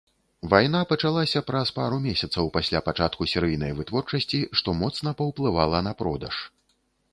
Вайна пачалася праз пару месяцаў пасля пачатку серыйнай вытворчасці, што моцна паўплывала на продаж.